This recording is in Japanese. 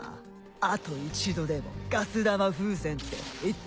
あと一度でもガス玉風船って言ってみな」